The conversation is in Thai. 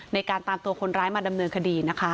ในการตามตัวคนร้ายมาดำเนินคดีนะคะ